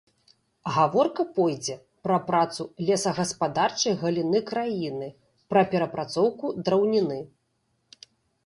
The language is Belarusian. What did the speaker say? Гаворка пойдзе пра працу лесагаспадарчай галіны краіны, пра перапрацоўку драўніны.